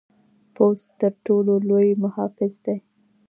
پوست تر ټر ټولو لوی محافظ دی.